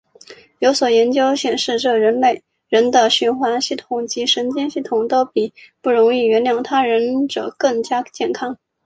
有研究显示这类人的循环系统及神经系统都比不容易原谅他人者更加健康。